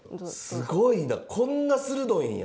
すごいなこんな鋭いんや！